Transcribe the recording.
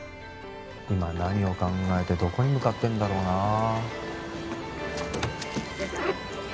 今何を考えてどこに向かってんだろうな